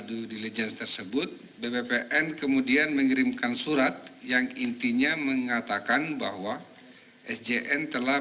due diligence tersebut bppn kemudian mengirimkan surat yang intinya mengatakan bahwa sjn telah